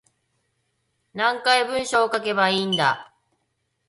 何回文章書けばいいんだ